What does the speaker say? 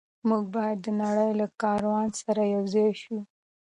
موږ باید د نړۍ له کاروان سره یوځای شو.